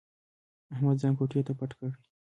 احمد ځان کوټې ته پټ کړي.